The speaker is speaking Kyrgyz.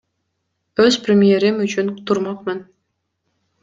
Өз премьерим үчүн турмакмын.